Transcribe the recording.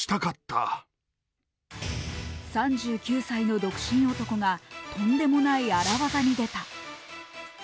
３９歳の独身男がとんでもない荒技に出た。